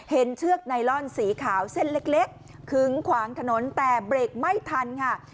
เชือกไนลอนสีขาวเส้นเล็กขึงขวางถนนแต่เบรกไม่ทันค่ะ